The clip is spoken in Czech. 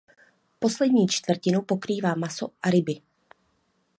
Poslední čtvrtinu pokrývá maso a ryby.